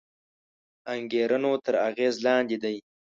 انګېرنو تر اغېز لاندې دی